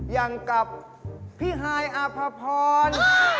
อย่างกับพี่ฮายอภพร